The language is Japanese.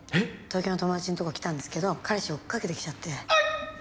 東京の友達のとこ来たんですけど彼氏追っかけてきちゃって。